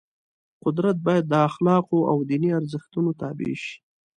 قدرت باید د اخلاقو او دیني ارزښتونو تابع شي.